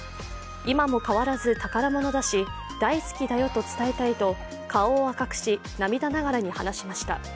今も変わらず宝物だし大好きだよと伝えたいと顔を赤くし、涙ながらに話しました。